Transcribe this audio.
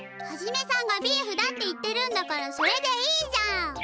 ハジメさんがビーフだって言ってるんだからそれでいいじゃん！